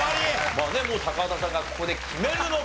まあねもう高畑さんがここで決めるのか？